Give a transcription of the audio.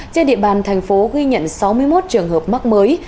trên địa bàn thành phố ghi nhận sáu mươi một trường hợp mắc mới